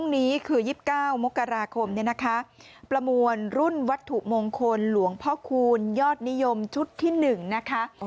นี้คือ๒๙มกราคมเนี่ยนะคะประมวลรุ่นวัตถุมงคลหลวงพ่อคูณยอดนิยมชุดที่๑นะคะ